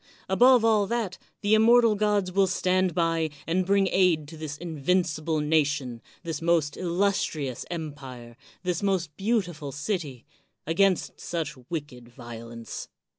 Above all that, the immortal gods will stand by and bring aid to this invin cible nation, this most illustrious empire, this most beautiful city, against such wicked violence.